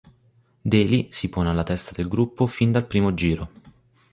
Daly si pone alla testa del gruppo fin dal primo giro.